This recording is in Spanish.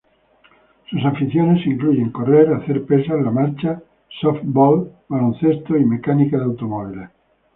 Sus aficiones incluyen correr, hacer pesas, la marcha, softbol, baloncesto y mecánica de automóviles.